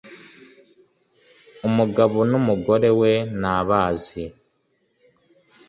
umugabo n'umugore we ntabazi